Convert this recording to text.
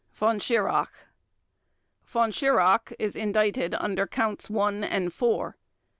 VON SCHIRACH Von Schirach is indicted under Counts One and Four.